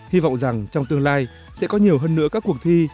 hy vọng rằng trong tương lai sẽ có nhiều hơn nữa các cuộc thi